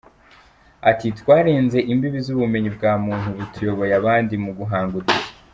Ati “Twarenze imbibi z’ubumenyi bwa muntu, ubu tuyoboye abandi mu guhanga udushya.